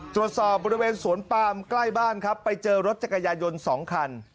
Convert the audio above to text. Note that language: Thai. ตรวจสอบบริเวณสวนปามใกล้บ้านครับไปเจอรถจักรยายน๒คัน